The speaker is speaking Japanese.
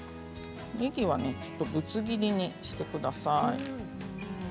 ねぎはちょっとぶつ切りにしてください。